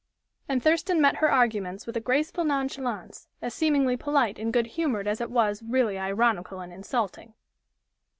And Thurston met her arguments with a graceful nonchalance, as seemingly polite and good humored as it was really ironical and insulting.